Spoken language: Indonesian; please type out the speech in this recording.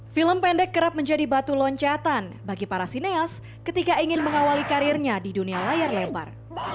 film pendek kerap menjadi batu loncatan bagi para sineas ketika ingin mengawali karirnya di dunia layar lebar